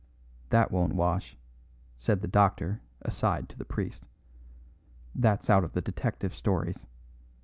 "That won't wash," said the doctor aside to the priest. "That's out of the detective stories.